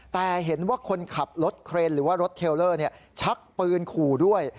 แต่เห็นว่าคนขับรถเครนหรือว่ารถเทลเลอร์ชักปืนขู่ด้วย